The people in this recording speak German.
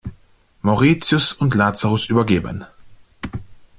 Mauritius und Lazarus übergeben.